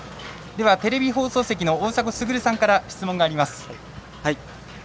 テレビ放送席の大迫傑さんから質問があります。